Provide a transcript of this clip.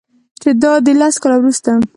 چې دادی لس کاله وروسته